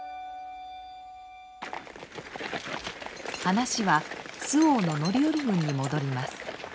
話は周防の範頼軍に戻ります。